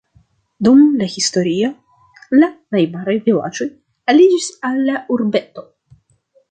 Dum la historio la najbaraj vilaĝoj aliĝis al la urbeto.